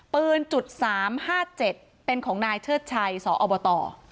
ปืน๓๕๗เป็นของนายเชิดชัยสอบต